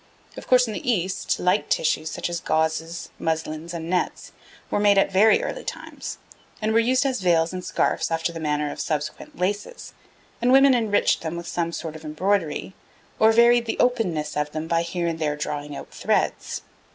Of course in the East, light tissues, such as gauzes, muslins, and nets, were made at very early times, and were used as veils and scarfs after the manner of subsequent laces, and women enriched them with some sort of embroidery, or varied the openness of them by here and there drawing out threads.